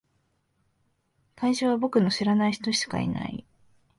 会場は僕の知らない人しかいない。